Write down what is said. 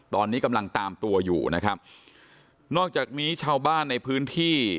ตอนนี้กำลังตามตัวอยู่นะครับนอกจากนี้ชาวบ้านในพื้นที่